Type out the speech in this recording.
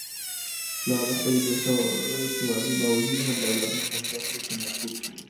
پلار د خپلې بې سوادۍ باوجود هم د اولادونو په زده کړو تمرکز کوي.